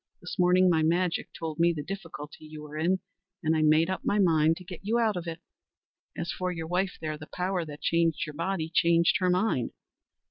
This morning my magic told me the difficulty you were in, and I made up my mind to get you out of it. As for your wife there, the power that changed your body changed her mind.